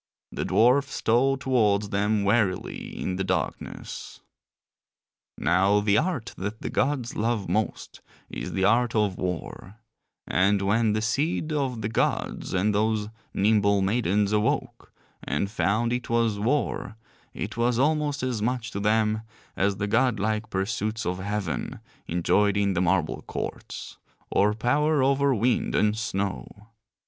The dwarfs stole towards them warily in the darkness. Now the art that the gods love most is the art of war: and when the seed of the gods and those nimble maidens awoke and found it was war it was almost as much to them as the godlike pursuits of heaven, enjoyed in the marble courts; or power over wind and snow.